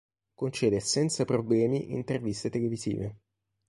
Concede senza problemi interviste televisive.